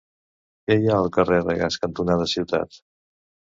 Què hi ha al carrer Regàs cantonada Ciutat?